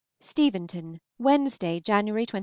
STEVENTON, Wednesday (January 21).